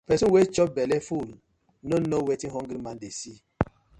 Person wey chop belle full, no know wetin hungry man dey see: